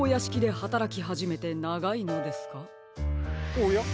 おや？